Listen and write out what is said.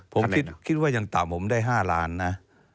ผมคิดว่ายังต่ำผมได้๕ล้านนะ